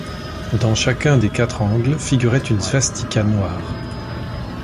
Dans chacun des quatre angles figurait une svastika noire.